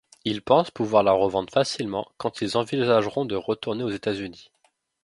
Ils pensent pouvoir la revendre facilement quand ils envisageront de retourner aux États-Unis.